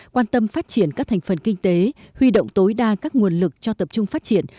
quan tâm phát triển các thành phần kinh tế huy động tối đa các nguồn lực cho tập trung phát triển